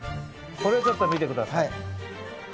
これちょっと、見てください。